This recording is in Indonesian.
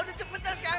udah cepetan sekarang